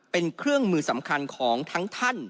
เป็นเครื่องมือสำคัญของทั้งท่าน